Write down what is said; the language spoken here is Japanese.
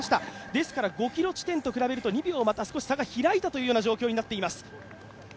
ですから５ｋｍ地点と比べると、２秒、また差が開いたという状況になっています。